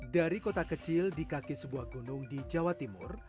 dari kota kecil di kaki sebuah gunung di jawa timur